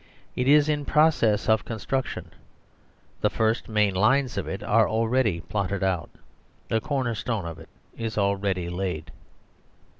It is in process of con struction. The first main lines of it are already plotted out ; the corner stone of it is already laid.